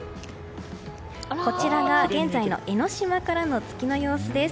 こちらが現在の江の島からの月の様子です。